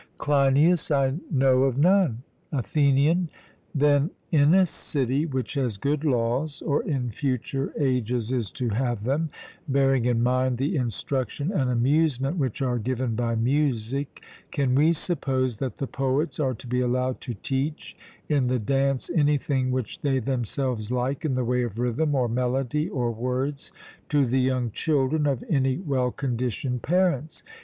CLEINIAS: I know of none. ATHENIAN: Then in a city which has good laws, or in future ages is to have them, bearing in mind the instruction and amusement which are given by music, can we suppose that the poets are to be allowed to teach in the dance anything which they themselves like, in the way of rhythm, or melody, or words, to the young children of any well conditioned parents?